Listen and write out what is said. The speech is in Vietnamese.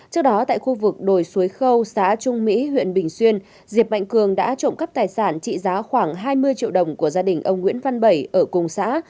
trước đó tại khu vực đồi suối khâu xã trung mỹ huyện bình xuyên diệp mạnh cường đã trộm cắp tài sản trị giá khoảng hai mươi triệu đồng của gia đình ông nguyễn văn bảy ở cùng xã